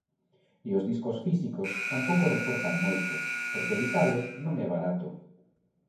E os discos físicos tampouco reportan moito, porque editalos non é barato.